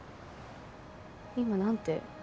今なんて？